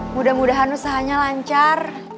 mudah mudahan usahanya lancar